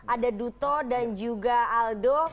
ada duto dan juga aldo